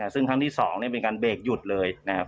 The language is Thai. ซึ่งครั้งที่๒เป็นการเบรกหยุดเลยนะครับ